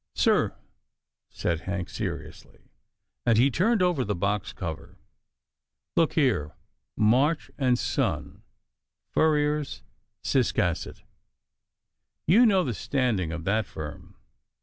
" Sir," said Hank seriously, and he turned over the box cover, ^* Look here —* March and Son, Furriers, Ciscasset.' You know the standing of that firm.